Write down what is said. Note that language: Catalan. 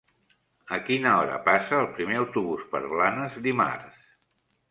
A quina hora passa el primer autobús per Blanes dimarts?